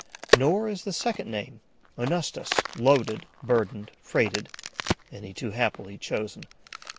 Nor is the second name of onustus loaded, burdened, freighted any too happily chosen.